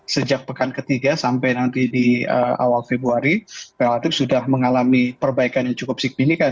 sejak pekan ketiga sampai nanti di awal februari relatif sudah mengalami perbaikan yang cukup signifikan